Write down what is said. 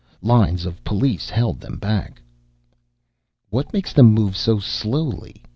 Lines of police held them back. "What makes them move so slowly?"